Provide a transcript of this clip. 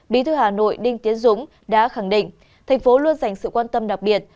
bí thư hà nội đinh tiến dũng đã khẳng định thành phố luôn dành sự quan tâm đặc biệt